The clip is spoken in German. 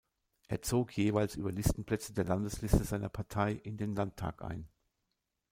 Er zog jeweils über Listenplätze der Landesliste seiner Partei in den Landtag ein.